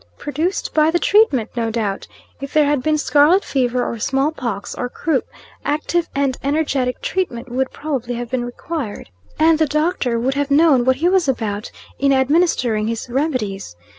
"Produced by the treatment, no doubt. If there had been scarlet fever, or small pox, or croup, active and energetic treatment would, probably, have been required, and the doctor would have known what he was about in administering his remedies.